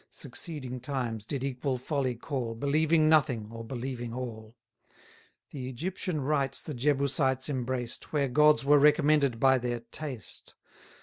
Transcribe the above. Succeeding times did equal folly call, Believing nothing, or believing all. The Egyptian rites the Jebusites embraced, Where gods were recommended by their taste.